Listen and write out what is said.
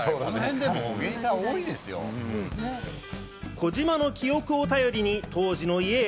児嶋の記憶を頼りに当時の家へ。